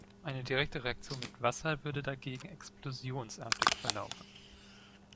Eine direkte Reaktion mit Wasser würde dagegen explosionsartig verlaufen.